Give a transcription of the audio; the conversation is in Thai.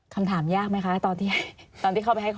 คำถามยากไหมคะตอนที่เข้าไปให้ข้อมูล